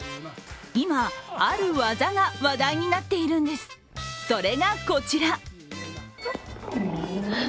今、ある技が話題になっているんです、それがこちら。